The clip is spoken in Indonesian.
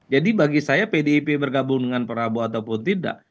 jadi bagi saya pdip bergabung dengan prabowo ataupun tidak